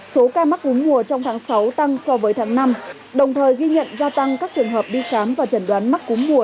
số ca mắc cúm mùa trong tháng sáu tăng so với tháng năm đồng thời ghi nhận gia tăng các trường hợp đi khám và chẩn đoán mắc cúm mùa